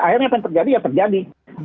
akhirnya apa yang terjadi ya terjadi